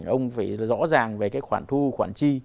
ông phải rõ ràng về cái khoản thu khoản chi